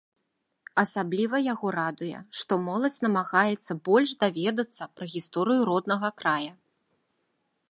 Асабліва яго радуе, што моладзь намагаецца больш даведацца пра гісторыю роднага края.